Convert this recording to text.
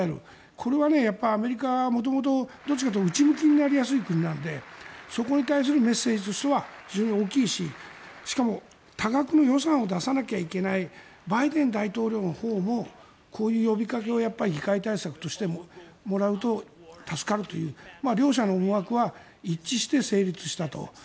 これはアメリカは元々、どっちかというと内向きになりやすい国なのでそこに対するメッセージとしては非常に大きいししかも、多額の予算を出さなきゃいけないバイデン大統領のほうもこういう呼びかけを議会対策としてもらうと助かるという両者の思惑は一致して成立したと。